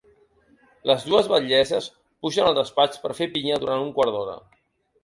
Les dues batllesses pugen al despatx per fer pinya durant un quart d’hora.